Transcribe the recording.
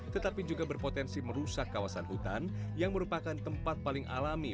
tetapi juga berpotensi merusak kawasan hutan yang merupakan tempat paling alami